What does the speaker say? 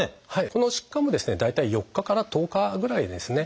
この疾患もですね大体４日から１０日ぐらいですね。